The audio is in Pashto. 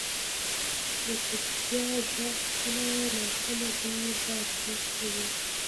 • د چپتیا ږغ کله ناکله ډېر با ارزښته وي.